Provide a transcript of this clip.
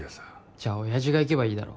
じゃあ親父が行けばいいだろ。